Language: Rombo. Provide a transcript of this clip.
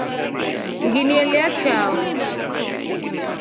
Nginielya chao.